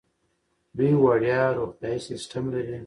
دوی وړیا روغتیايي سیستم لري.